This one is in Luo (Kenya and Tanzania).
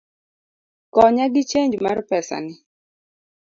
Konya gi chenj mar pesani